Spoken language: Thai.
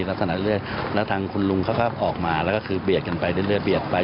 หน้าทางคุณลุงเขาก็ออกมาแล้วก็คือเบียดกันไปเรื่อยเบียดไป